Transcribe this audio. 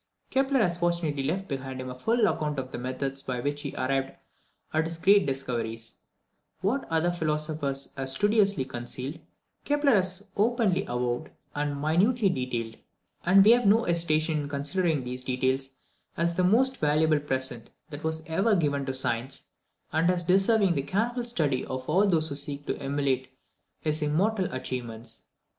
Kepler has fortunately left behind him a full account of the methods by which he arrived at his great discoveries. What other philosophers have studiously concealed, Kepler has openly avowed, and minutely detailed; and we have no hesitation in considering these details as the most valuable present that has ever been given to science, and as deserving the careful study of all who seek to emulate his immortal achievements.